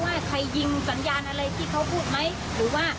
แล้วข่อยที่ตรงที่พี่เก่งชั้นเล่า